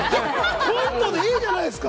コントでいいじゃないですか！